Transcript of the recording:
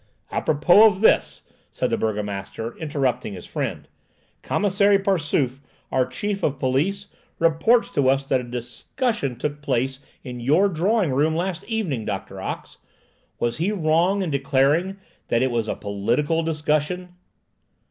"Apropos of this," said the burgomaster, interrupting his friend, "Commissary Passauf, our chief of police, reports to us that a discussion took place in your drawing room last evening, Doctor Ox. Was he wrong in declaring that it was a political discussion?"